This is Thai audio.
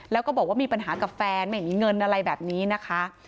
แล้วก็บอกว่ามีปัญหากับแฟนไม่มีเงินอะไรแบบนี้นะคะ